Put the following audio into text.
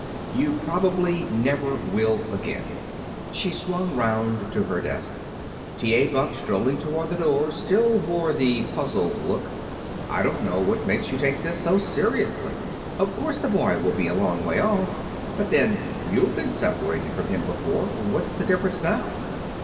"You probably never will again." She swung round to her desk. T.A. Buck, strolling toward the door, still wore the puzzled look. "I don't know what makes you take this so seriously. Of course, the boy will be a long way off. But then, you've been separated from him before. What's the difference now?"